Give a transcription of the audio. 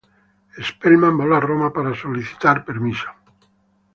Spellman voló a Roma para solicitar permiso al papa.